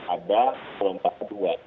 ada kelompok kedua